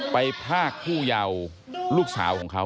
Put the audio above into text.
พรากผู้เยาว์ลูกสาวของเขา